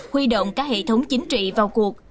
huy động các hệ thống chính trị vào cuộc